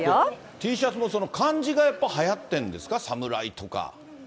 Ｔシャツもその漢字がやっぱりはやってんですか、侍とか。